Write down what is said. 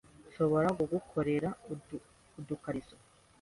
Nshobora kugukorera udukariso?